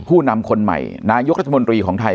ผู้นำคนใหม่นายกรัฐมนตรีของไทย